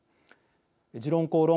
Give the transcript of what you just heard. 「時論公論」